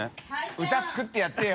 侫漾作ってやってよ。